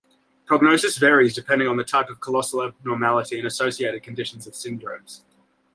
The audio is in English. Prognosis varies depending on the type of callosal abnormality and associated conditions or syndromes.